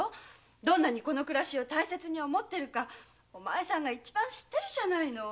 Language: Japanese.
どんなにこの暮らしを大切に思ってるかお前さんが一番知ってるじゃないの。